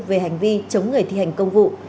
về hành vi chống người thi hành công vụ